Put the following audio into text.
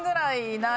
ない？